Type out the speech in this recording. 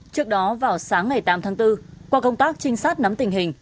trước đó vào sáng ngày tám tháng bốn qua công tác trinh sát nắm tình hình